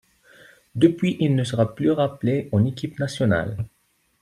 Depuis il ne sera plus rappelé en équipe nationale.